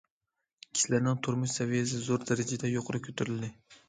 كىشىلەرنىڭ تۇرمۇش سەۋىيەسى زور دەرىجىدە يۇقىرى كۆتۈرۈلدى.